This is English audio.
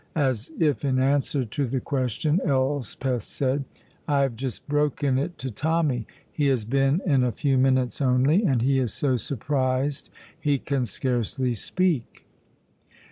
As if in answer to the question, Elspeth said: "I have just broken it to Tommy. He has been in a few minutes only, and he is so surprised he can scarcely speak."